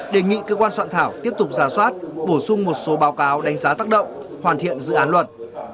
đề nghị cơ quan soạn thảo tiếp tục ra soát bổ sung một số báo cáo đánh giá tác động hoàn thiện dự án luật